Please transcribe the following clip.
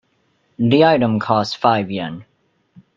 The item costs five Yen.